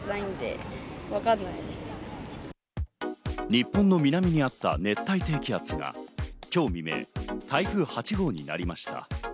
日本の南にあった熱帯低気圧が、今日未明、台風８号になりました。